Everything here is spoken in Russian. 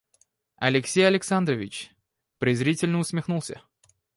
Алексей Александрович презрительно усмехнулся.